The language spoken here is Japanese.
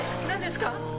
何ですか？